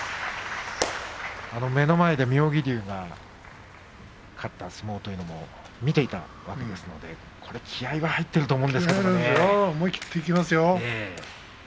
目の前で妙義龍が勝った相撲というのも見ていたわけですので気合いが入っていると思い切っていきますよ。